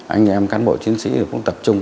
anh em cán bộ chiến sĩ cũng tập trung